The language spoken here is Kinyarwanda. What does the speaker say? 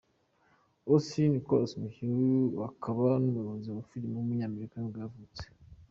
Austin Nichols, umukinnyi akaba n’umuyobozi wa filime w’umunyamerika ni bwo yavutse.